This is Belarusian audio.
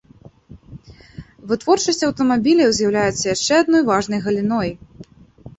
Вытворчасць аўтамабіляў з'яўляецца яшчэ адной важнай галіной.